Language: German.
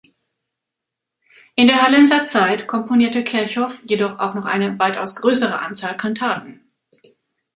In der Hallenser Zeit komponierte Kirchhoff jedoch auch noch eine weitaus größere Anzahl Kantaten.